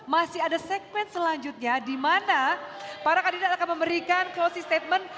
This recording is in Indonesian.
masih ada segmen selanjutnya di mana para kandidat akan memberikan closing statement